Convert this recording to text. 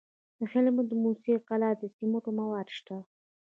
د هلمند په موسی قلعه کې د سمنټو مواد شته.